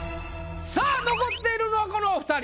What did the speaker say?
さあ残っているのはこのお二人。